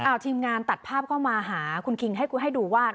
เอาทีมงานตัดภาพเข้ามาหาคุณคิงให้ดูว่า